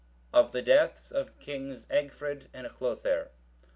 Of the death of the Kings Egfrid and Hlothere.